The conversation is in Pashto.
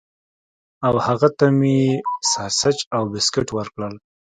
او هغه ته یې ساسج او بسکټ ورکړل